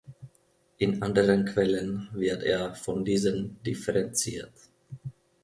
In anderen Quellen wird er von diesen differenziert.